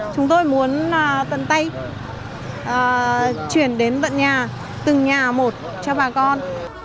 chúng tôi muốn tận tay chuyển đến tận nhà từng nhà một cho bà con